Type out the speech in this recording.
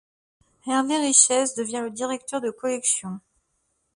Hervé Richez devient le directeur de collection.